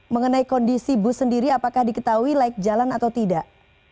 mengenai kondisi bus sendiri apakah diketahui layak jalan atau tidak